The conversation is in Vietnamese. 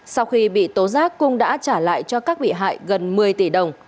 sau khi bị tố giác cung đã trả lại cho các bị hại gần một mươi tỷ đồng